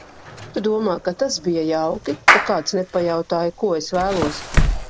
Tu domā tas bija jauki, ka kāds nepajautāja, ko es vēlos?